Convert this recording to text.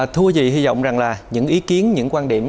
thua dị hy vọng rằng là những ý kiến những quan điểm